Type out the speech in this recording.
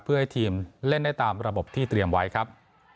เพื่อให้ทีมเล่นได้ตามระบบที่เตรียมไว้ครับ